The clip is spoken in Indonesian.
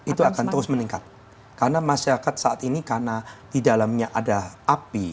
itu akan terus meningkat karena masyarakat saat ini karena di dalamnya ada api